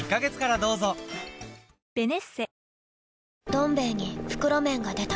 「どん兵衛」に袋麺が出た